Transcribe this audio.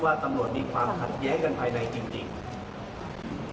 ว่าตำรวจมีความขัดแย้งกันภายในจริง